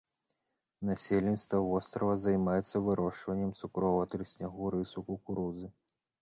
Насельніцтва вострава займаецца вырошчваннем цукровага трыснягу, рысу, кукурузы.